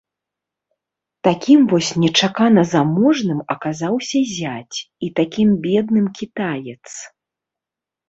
Такім вось нечакана заможным аказаўся зяць і такім бедным кітаец.